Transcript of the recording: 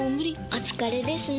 お疲れですね。